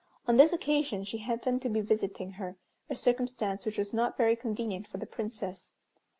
On this occasion she happened to be visiting her, a circumstance which was not very convenient for the Princess.